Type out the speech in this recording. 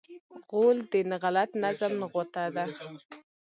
غول د غلط نظم نغوته ده.